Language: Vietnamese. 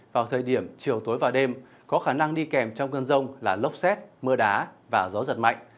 vào thời điểm chiều tối và đêm có khả năng đi kèm trong cơn rông là lốc xét mưa đá và gió giật mạnh